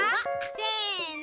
せの！